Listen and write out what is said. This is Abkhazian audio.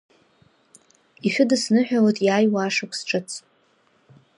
Ишәыдысныҳәалоит иааиуа ашықәс Ҿыц!